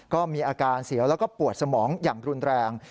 ก็มีอาการเสียวแล้วก็ปวดสมองอย่างรุนแรง